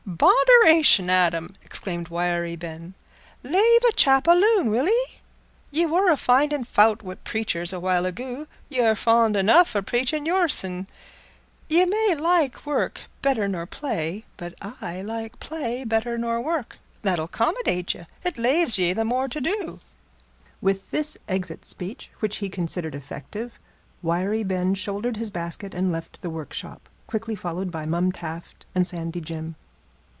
"Bodderation, Adam!" exclaimed Wiry Ben; "lave a chap aloon, will 'ee? Ye war afinding faut wi' preachers a while agoo—y' are fond enough o' preachin' yoursen. Ye may like work better nor play, but I like play better nor work; that'll 'commodate ye—it laves ye th' more to do." With this exit speech, which he considered effective, Wiry Ben shouldered his basket and left the workshop, quickly followed by Mum Taft and Sandy Jim.